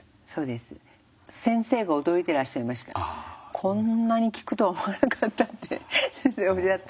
「こんなに効くとは思わなかった」って先生おっしゃって。